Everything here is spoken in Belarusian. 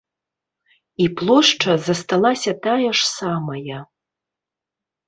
І плошча засталася тая ж самая.